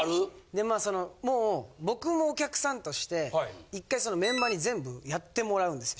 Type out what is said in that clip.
でまあそのもう僕もお客さんとして１回メンバーに全部やってもらうんですよ。